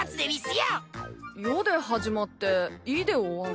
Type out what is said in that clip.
「よ」で始まって「い」で終わる。